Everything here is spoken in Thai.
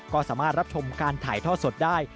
ก็สามารถรับชมการถ่ายท่อสดได้